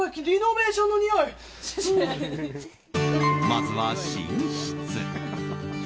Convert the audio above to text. まずは寝室。